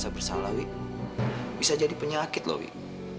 bisa jadi penyakit loik